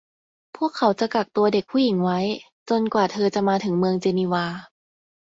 พวกเขาจะกักตัวเด็กผู้หญิงไว้ จนกว่าเธอจะมาถึงเมืองเจนีวา